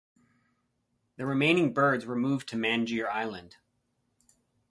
The remaining birds were moved to Mangere Island.